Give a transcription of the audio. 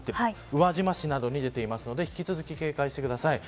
宇和島市などで出ていますので引き続き、警戒してください。